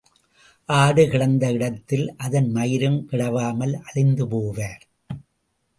ஆடு கிடந்த இடத்தில் அதன் மயிரும் கிடவாமல் அழிந்து போவார்.